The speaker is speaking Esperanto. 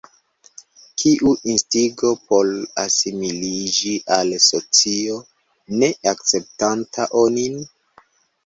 Kiu instigo por asimiliĝi al socio ne akceptanta onin?